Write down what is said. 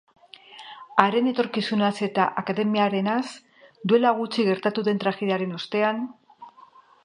Haren etorkizunaz eta akademiarenaz, duela gutxi gertatu den tragediaren ostean...